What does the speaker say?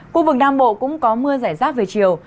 khu vực nam bộ cũng có mưa giải rác về chiều